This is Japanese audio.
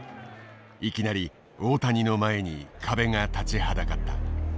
いきなり大谷の前に壁が立ちはだかった。